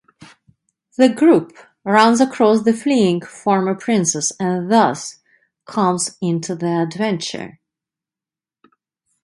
The group runs across the fleeing former princess and thus comes into the adventure.